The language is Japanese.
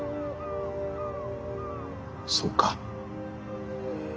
そうか。